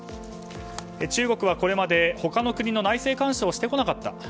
中国はこれまで他の国の内政干渉をしてこなかった。